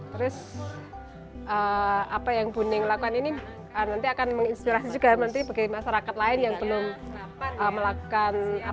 terus apa yang bu ning lakukan ini nanti akan menginspirasi juga nanti bagi masyarakat lain yang belum melakukan